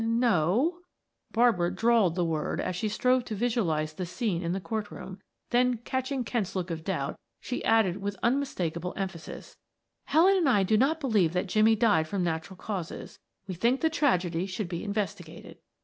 "N no," Barbara drawled the word as she strove to visualize the scene in the court room; then catching Kent's look of doubt she added with unmistakable emphasis. "Helen and I do not believe that Jimmie died from natural causes; we think the tragedy should be investigated."